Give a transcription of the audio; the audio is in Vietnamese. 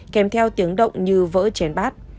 kèm theo tiếng động như vỡ chén bát